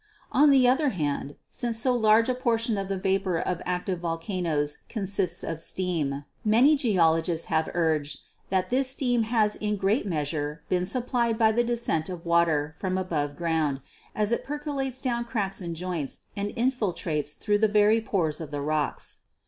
On the other hand, since so large a proportion of the vapor of active volcanoes consists of steam, many geolo 122 GEOLOGY gists have urged that this steam has in great measure been supplied by the descent of water from above ground, as it percolates down cracks and joints and infiltrates through the very pores of the rocks.